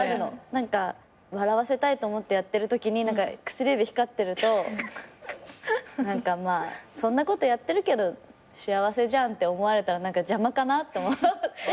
何か笑わせたいと思ってやってるときに薬指光ってると「そんなことやってるけど幸せじゃん」って思われたら邪魔かなと思って。